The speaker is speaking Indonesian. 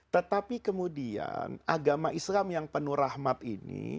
tetapi kemudian agama islam yang penuh rahmat ini